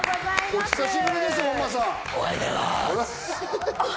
お久しぶりです。